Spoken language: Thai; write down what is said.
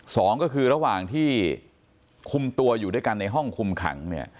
สองก็คือระหว่างที่คุมตัวอยู่ด้วยกันในห้องคุมขังเนี่ย